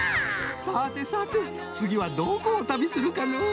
さてさてつぎはどこを旅するかのう。